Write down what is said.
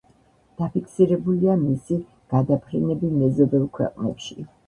დაფიქსირებულია მისი გადაფრენები მეზობელ ქვეყნებში.